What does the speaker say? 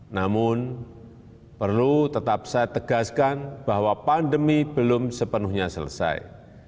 namun perlu tetap saya tegaskan bahwa pandemi belum sepenuhnya selesai